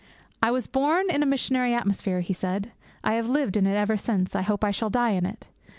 'I was born in a missionary atmosphere,' he said. 'I have lived in it ever since; I hope I shall die in it.